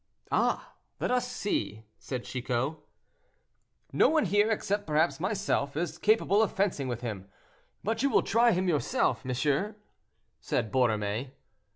"Ah! let us see," said Chicot. "No one here, except perhaps myself, is capable of fencing with him; but will you try him yourself, monsieur?" said Borromée.